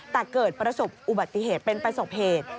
แต่เกิดประสบอุบัติเหตุเป็นประสบเหตุ